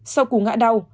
sau củ ngã đau